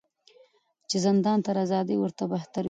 چي زندان تر آزادۍ ورته بهتر وي